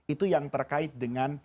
itu yang terkait dengan